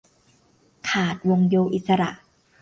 ขาด วงโยอิสระ